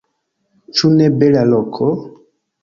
Ĉu ne bela loko?